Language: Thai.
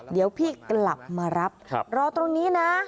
เดี๋ยวพี่กลับมารับรอตรงนี้นะ